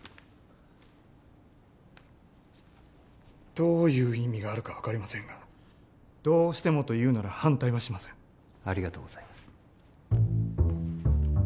どういう意味があるか分かりませんがどうしてもと言うなら反対はしませんありがとうございます